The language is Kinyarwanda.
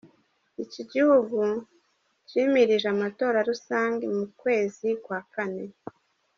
Ico gihugu cimirije amatora rusangi mu kwezi kwa Kane.